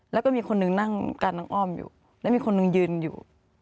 แล้วก็มีคนหนึ่งนั่งกันนั่งอ้อมอยู่แล้วมีคนหนึ่งยืนอยู่